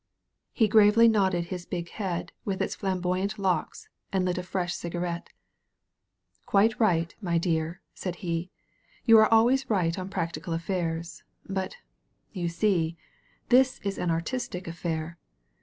He gravely nodded his big head with its flam boyant locks, and lit a fresh cigarette. '^ Quite right, my dear," said he, ^^ou are always right on practical affairs. But, you see, this is an artistic affair.